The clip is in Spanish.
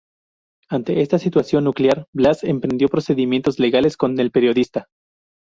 Ante esta situación, Nuclear Blast emprendió procedimientos legales con el periodista.